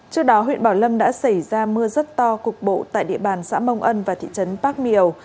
trước đó huyện bảo lâm đã xảy ra mưa rất to cục bộ tại địa bàn xã mông ân và thị trấn bác miều